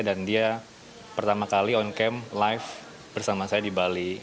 dan dia pertama kali live bersama saya di bali